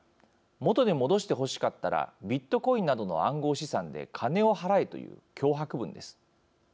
元に戻してほしかったらビットコインなどの暗号資産で金を払えという脅迫文です。